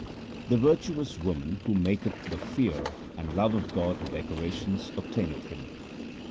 The virtuous woman who maketh the fear And love of God her decorations, obtaineth Him.